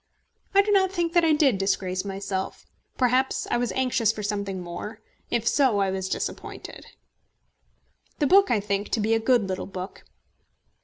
I do not think that I did disgrace myself. Perhaps I was anxious for something more. If so, I was disappointed. The book I think to be a good little book.